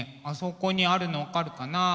あそこにあるの分かるかな？